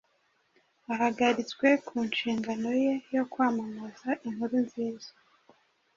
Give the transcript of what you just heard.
ahagaritswe ku nshingano ye yo kwamamaza inkuru nziza,